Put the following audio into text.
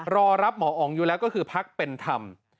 รอรับหมออ๋องอยู่แล้วก็คือพักเป็นธรรม